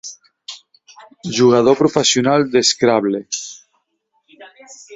Jugador professional de Scrabble.